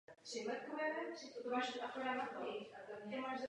Trénuje ho Fernando Vicente.